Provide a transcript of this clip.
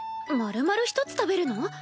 まるまる１つ食べるの？